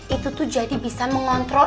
itu tuh jadi bisa mengontrol